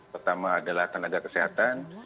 pertama adalah tenaga kesehatan